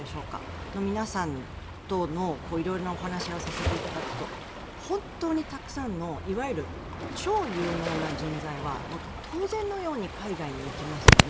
その皆さんとの色々なお話をさせていただくと本当にたくさんのいわゆる超有能な人材は当然のように海外に行きますよね。